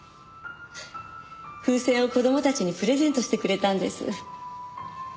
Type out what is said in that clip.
風船を子供たちにプレゼントしてくれたんです。